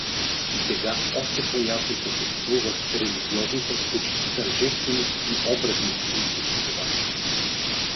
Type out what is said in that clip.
И сега още по-ясно почувствувах религиозната почти тържественост и обредност на всичко това.